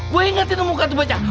gue ingetin tuh muka tuh bocah